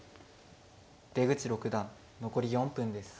出口六段残り４分です。